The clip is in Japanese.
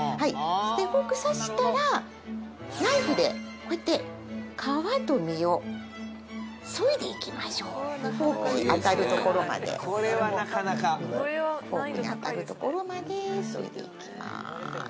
フォーク刺したらナイフでこうやって皮と身をそいでいきましょうフォークに当たるところまでフォークに当たるところまでそいでいきます